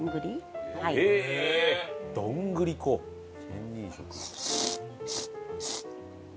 仙人食。